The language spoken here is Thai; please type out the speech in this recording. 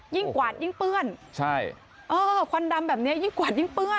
ยิ่งกวาดยิ่งเปื้อนควันดำแบบนี้ยิ่งกวาดยิ่งเปื้อน